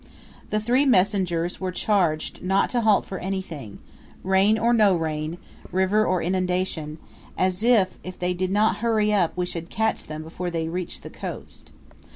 The three messengers were charged not to halt for anything rain or no rain, river or inundation as if they did not hurry up we should catch them before they reached the coast.